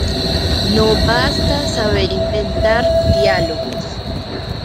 No basta saber inventar diálogos..."".